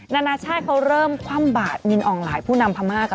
นานาชาติเขาเริ่มคว่ำบาดมินอ่องหลายผู้นำพม่ากัน